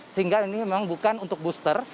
sehingga ini memang bukan untuk booster